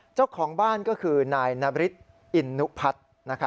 เจ้าของบ้านก็คือนายนบิษฐ์อินนุพัทร